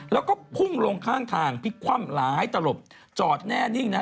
แล้วก็พุ่งลงข้างทางพลิกคว่ำหลายตลบจอดแน่นิ่งนะฮะ